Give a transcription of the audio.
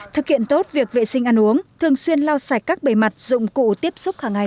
thực hiện tốt việc vệ sinh ăn uống thường xuyên lau sạch các bề mặt dụng cụ tiếp xúc hàng ngày